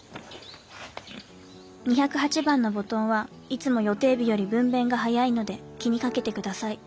「２０８番の母豚はいつも予定日より分娩が早いので気にかけて下さい。